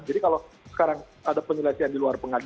jadi kalau sekarang ada penjelasan di luar pengadilan